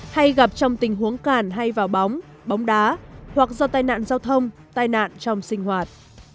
hay gặp trong tình huống cản hay vào bóng bóng đá hoặc do tai nạn giao thông tai nạn trong sinh hoạt